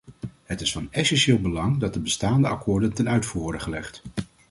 Het is van essentieel belang dat de bestaande akkoorden ten uitvoer worden gelegd.